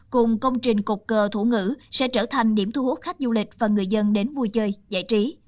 cùng công trình cục cờ thủ ngữ sẽ trở thành điểm thu hút khách du lịch và người dân đến vui chơi giải trí